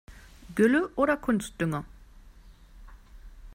Gülle oder Kunstdünger?